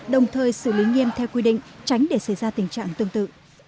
đồng thời xử lý nghiêm theo quy định tránh để xảy ra tình trạng tương tự